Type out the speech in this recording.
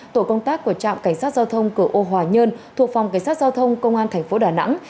tổ công tác của trạm cảnh sát giao thông cửa ô hòa nhơn thuộc phòng cảnh sát giao thông công an thành phố đà nẵng